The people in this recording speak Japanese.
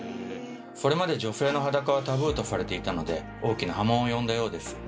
それまで女性の裸はタブーとされていたので大きな波紋を呼んだようです。